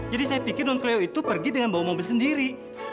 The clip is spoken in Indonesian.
jadi saya pikir nonkeleo itu pergi dengan bawa mobil sendiri